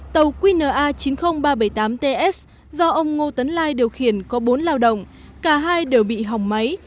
tàu qna chín mươi nghìn ba trăm bảy mươi tám ts do ông ngô tấn lai điều khiển có bốn lao động cả hai đều bị hỏng máy